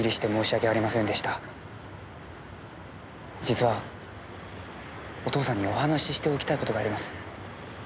実はお義父さんにお話ししておきたい事があります。